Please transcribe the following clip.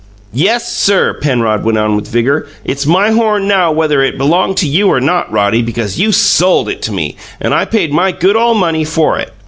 "YES, sir!" Penrod went on with vigour. "It's my horn now whether it belonged to you or not, Roddy, because you SOLD it to me and I paid my good ole money for it.